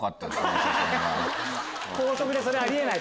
高速でそれはあり得ない。